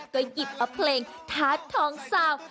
ก็หยิบเอาเพลงทาสทองสาว